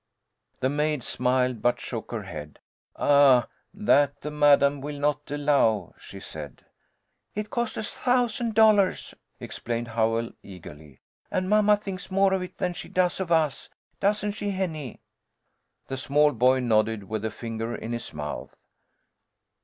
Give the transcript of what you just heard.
The maid smiled, but shook her head. "Ah, that the madame will not allow," she said. "It cost a thousand dollars," explained Howell, eagerly, "and mamma thinks more of it than she does of us. Doesn't she, Henny?" The small boy nodded with a finger in his mouth.